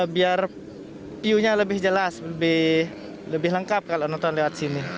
biar view nya lebih jelas lebih lengkap kalau nonton lewat sini